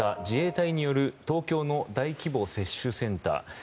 自衛隊による東京の大規模接種センター。